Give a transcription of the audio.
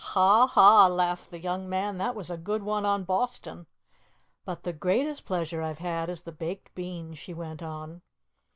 '" "Ha, ha!" laughed the young man. "That was a good one on Boston." "But the greatest pleasure I've had is the baked beans," she went on.